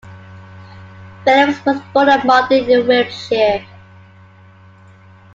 Philips was born at Marden in Wiltshire.